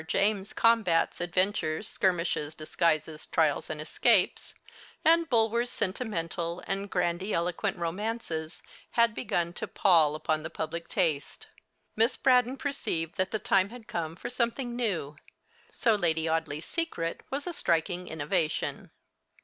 James's combats, adventures, skirmishes, disguises, trials, and escapes, and Bulwer's sentimental and grandiloquent romances, had begun to pall upon the public taste. Miss Braddon perceived that the time had come for something new, so 'Lady Audley's Secret' was a striking innovation.